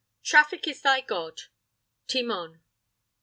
Traffic is thy god. Timon.